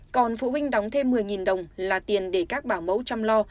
còn phụ huynh đóng thêm một mươi đồng là tiền để các bảo mẫu chăm lo